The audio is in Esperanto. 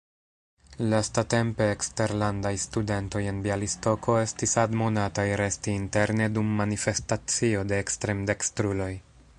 Lastatempe eksterlandaj studentoj en Bjalistoko estis admonataj resti interne dum manifestacio de ekstremdekstruloj.